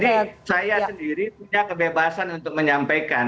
jadi saya sendiri punya kebebasan untuk menyampaikan